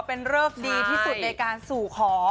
เป็นเริกดีที่สุดในการสู่ขอ